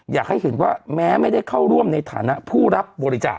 อยากให้เห็นว่าแม้ไม่ได้เข้าร่วมในฐานะผู้รับบริจาค